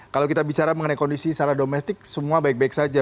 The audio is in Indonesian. kalau kita bicara mengenai kondisi secara domestik semua baik baik saja